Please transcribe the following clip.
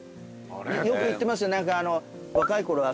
よく言ってますよ何か。